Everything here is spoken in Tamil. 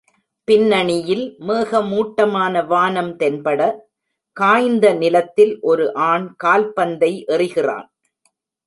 பின்னணியில் மேகமூட்டமான வானம் தென்பட, காய்ந்த நிலத்தில் ஒரு ஆண் கால்பந்தை எறிகிறான்.